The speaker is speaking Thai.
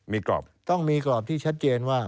มีกรอบต้องมีกรอบที่ชัดเจนว่า